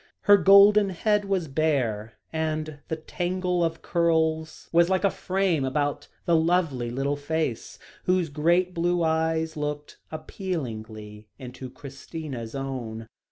Her golden head was bare, and the tangle of curls was like a frame about the lovely little face, whose great blue eyes looked appealingly into Christina's own.